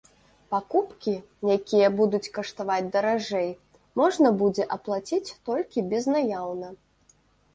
Пакупкі, якія будуць каштаваць даражэй, можна будзе аплаціць толькі безнаяўна.